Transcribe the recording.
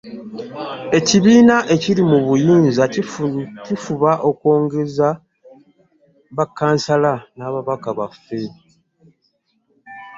Ekibiina ekiri mu buyinza kifuba okwogereza bakkansala n'ababaka baffe